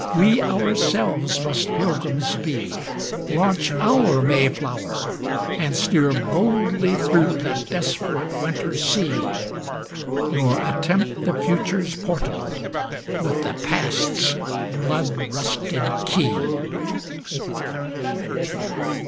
we ourselves must Pilgrims be, Launch our Mayflower, and steer boldly through the desperate winter sea, Nor attempt the Future's portal with the Past's blood rusted key.